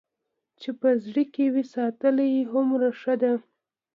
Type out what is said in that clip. چې په زړه کې وي ساتلې هومره ښه ده.